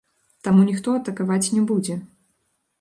Таму ніхто атакаваць не будзе.